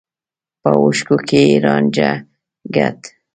په اوښکو کې يې رانجه ګډ و.